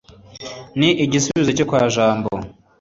ni igisubizo cyo kwa jambo